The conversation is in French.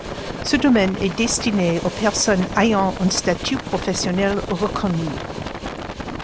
Ce domaine est destiné aux personnes ayant un statut professionnel reconnu.